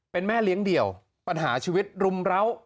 เป็นแม่เลี้ยงเดี่ยวปัญหาชีวิตรุมร้าว